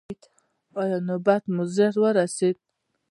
ایا نوبت مو ژر ورسید؟